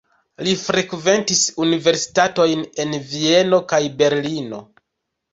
Li frekventis universitatojn en Vieno kaj Berlino.